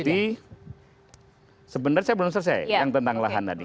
sebenarnya saya belum selesai yang tentang lahan tadi